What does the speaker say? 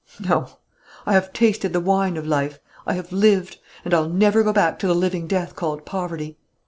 No; I have tasted the wine of life: I have lived; and I'll never go back to the living death called poverty.